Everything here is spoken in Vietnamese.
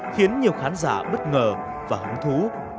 khiến nhiều khán giả bất ngờ và hứng thú